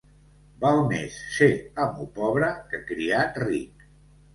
Val més ser amo pobre que criat ric.